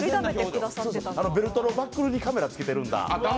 ベルトのバックルにカメラつけてるんだ。